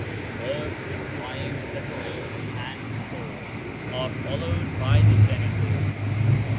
Verbs implying separation and source are followed by the genitive.